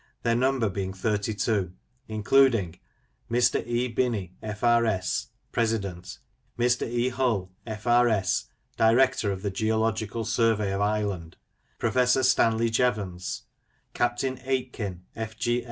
their number being thirty two, including: Mr. E. Binney, F.R.S., President; Mr. E. Hull, F.R.S., Director of the Geological Survey pf Ireland; Professor Stanley Jevons ; Captain Aitken, F.G.